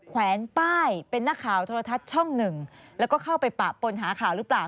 แวนป้ายเป็นนักข่าวโทรทัศน์ช่องหนึ่งแล้วก็เข้าไปปะปนหาข่าวหรือเปล่า